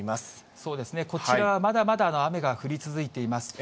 そうですね、こちらはまだまだ雨が降り続いています。